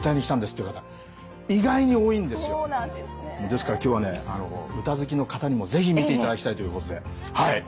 ですから今日はね歌好きの方にも是非見ていただきたいということではい。